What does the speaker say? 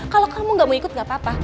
kalau kamu gak mau ikut gak apa apa